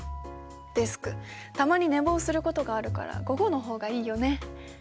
デスクたまに寝坊することがあるから午後の方がいいよね。